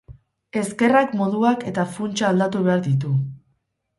Ezkerrak moduak eta funtsa aldatu behar ditu.